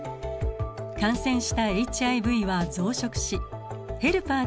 感染したＨＩＶは増殖しヘルパー